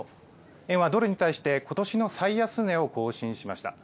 円はドルに対して、ことしの最安値を更新しました。